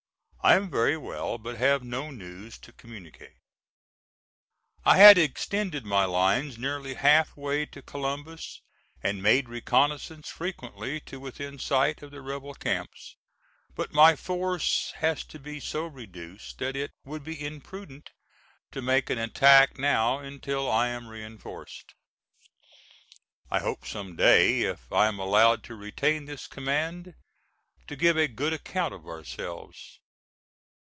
I am very well, but have no news to communicate. I had extended my lines nearly half way to Columbus and made reconnoissances frequently to within sight of the rebel camps, but my force has to be so reduced that it would be imprudent to make an attack now until I am reinforced. I hope some day, if I am allowed to retain this command, to give a good account of ourselves.